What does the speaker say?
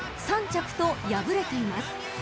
［３着と敗れています］